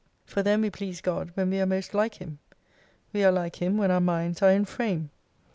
For then we please God when we are most like Him. "We are like Him when our minds are in frame.